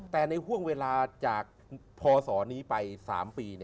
แต่ในห่วงเวลาจากพศนี้ไป๓ปี